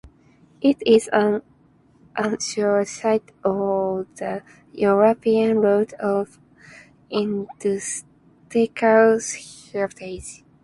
It is an anchor site for the European Route of Industrial Heritage.